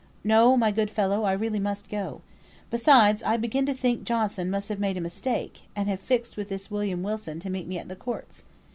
"No, my good fellow, I really must go. Besides, I begin to think Johnson must have made a mistake, and have fixed with this William Wilson to meet me at the courts.